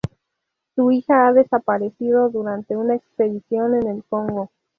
Su hija ha desaparecido durante una expedición en el Congo.